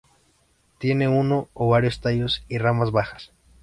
Tiene uno o varios tallos y ramas bajas.